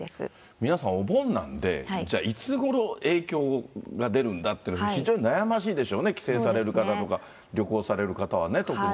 皆さん、お盆なんで、じゃあ、いつごろ影響が出るんだというの、非常に悩ましいでしょうね、帰省される方とか、旅行される方はね、特に。